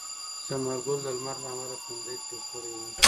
ثمر ګل د لمر له امله تندی تریو کړی و.